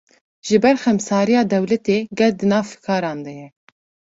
Ji ber xemsariya dewletê, gel di nav fikaran de ye